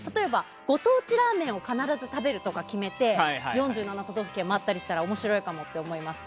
ご当地ラーメンを必ず食べるとか決めて４７都道府県を回ったりしたら面白いかもって思います。